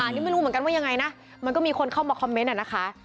นี่ไม่รู้เหมือนกันว่ายังไงนะมันก็มีคนเข้ามาคอมเมนต์นะคะ